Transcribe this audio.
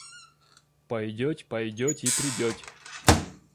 Пойдеть, пойдеть и придеть.